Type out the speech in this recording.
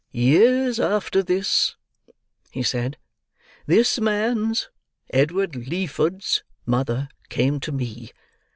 "Years after this," he said, "this man's—Edward Leeford's—mother came to me.